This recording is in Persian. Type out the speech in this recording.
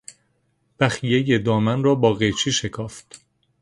بخیهی دامن را با قیچی شکافت.